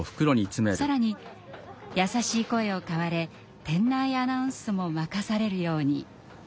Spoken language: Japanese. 更に優しい声を買われ店内アナウンスも任されるように。